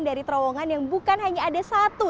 dari terowongan yang bukan hanya ada satu